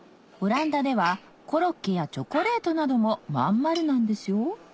オランダではコロッケやチョコレートなども真ん丸なんですよ